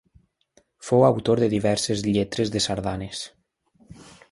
Fou autor de diverses lletres de sardanes.